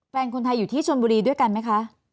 แฟนคนไทยอยู่ที่ชนบุรีด้วยกันไหมคะ